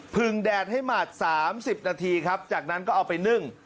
ึงแดดให้หมาด๓๐นาทีครับจากนั้นก็เอาไปนึ่ง